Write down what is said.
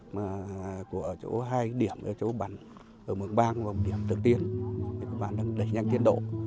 mà ở chỗ hai điểm là chỗ bắn ở mường bang và một điểm tương tiên và đẩy nhanh tiến độ